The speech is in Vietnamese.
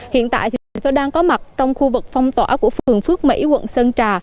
hiện tại thành phố đang có mặt trong khu vực phong tỏa của phường phước mỹ quận sơn trà